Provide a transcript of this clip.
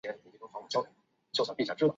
优点为速度快但搭载的资料量较少。